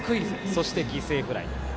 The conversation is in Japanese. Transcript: そして、犠牲フライ。